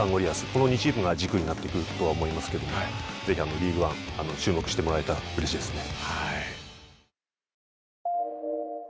この２チームが軸になって来るとは思いますけどもぜひリーグワン注目してもらえたらうれしいですね。